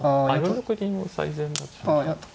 ４六銀は最善だった。